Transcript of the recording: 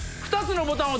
２つのボタン？